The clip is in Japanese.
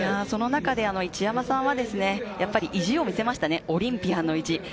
その中で一山さんは意地を見せましたね、オリンピアンの意地。